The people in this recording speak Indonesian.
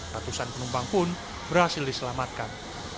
ratusan penumpang pun berhasil diselamatkan